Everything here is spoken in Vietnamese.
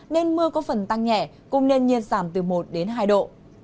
nên mưa có phần tăng nhẹ cùng nền nhiệt giảm từ một đến hai độ